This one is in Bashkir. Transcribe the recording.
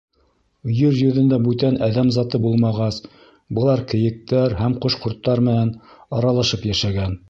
Ер йөҙөндә бүтән әҙәм заты булмағас, былар кейектәр һәм ҡош-ҡорттар менән аралашып йәшәгән.